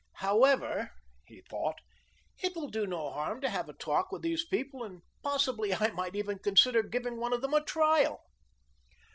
"However," he thought, "it will do no harm to have a talk with these people, and possibly I might even consider giving one of them a trial."